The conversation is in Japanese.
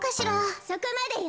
そこまでよ。